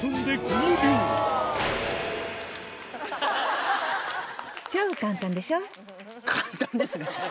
超簡単でしょ。